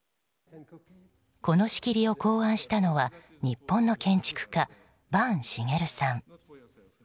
この仕切りを考案したのは日本の建築家坂茂さん。